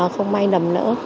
không may nầm nỡ